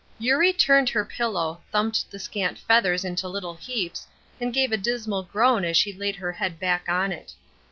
Eurie turned her pillow, thumped the scant feathers into little heaps, and gave a dismal groan as she laid her head back on it.